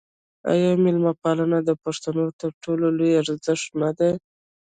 آیا میلمه پالنه د پښتنو تر ټولو لوی ارزښت نه دی؟